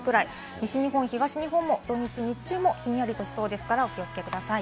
西日本、東日本も土日、日中もひんやりとしそうですからお気をつけください。